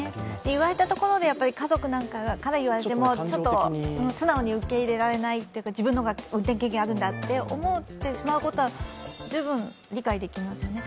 言われたところで、家族から言われてもちょっと素直に受け入れられない、自分の方が運転経験があるんだと思ってしまうことは十分、理解できますよね。